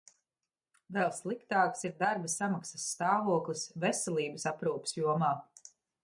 Vēl sliktāks ir darba samaksas stāvoklis veselības aprūpes jomā.